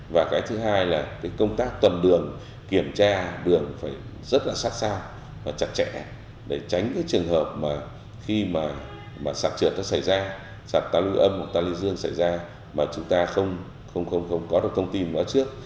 và cái thứ hai là cái công tác tuần đường kiểm tra đường phải rất là sát sao và chặt chẽ để tránh cái trường hợp mà khi mà sạt trượt nó xảy ra sạt tàu lưu âm sạt ta lưu dương xảy ra mà chúng ta không có được thông tin ở trước